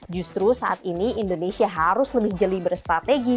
justru saat ini indonesia harus lebih jeli berstrategi